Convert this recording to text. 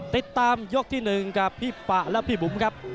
ติดตามยกที่๑กับพี่ปะและพี่บุ๋มครับ